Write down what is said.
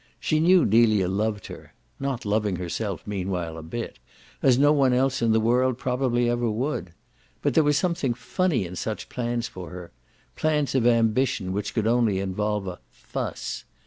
She knew Delia loved her not loving herself meanwhile a bit as no one else in the world probably ever would; but there was something funny in such plans for her plans of ambition which could only involve a "fuss."